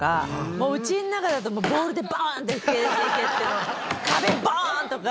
もううちの中だとボールでバーンって蹴って壁バーン！とか。